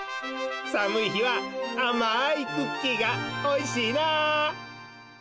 さむい日はあまいクッキーがおいしいなあ！